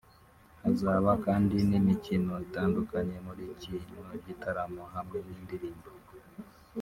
Hazaba kandi n’imikino itandukanye muri kino gitaramo hamwe n’indirimbo